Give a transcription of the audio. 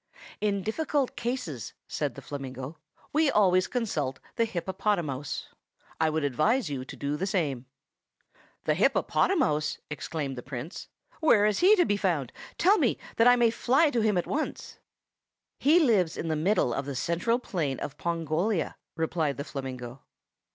"In difficult cases," said the flamingo, "we always consult the hippopotamouse. I should advise you to do the same." "The hippopotamouse?" exclaimed the Prince. "Where is he to be found? Tell me, that I may fly to him at once." "He lives in the middle of the central plain of Pongolia," replied the flamingo.